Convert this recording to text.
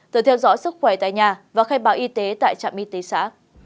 từ theo dõi sức khỏe tại nhà và khai báo y tế tại trạm y tế xã